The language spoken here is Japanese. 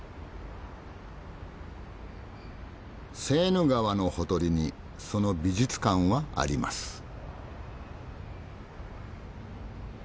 セーヌ川のほとりにその美術館はあります。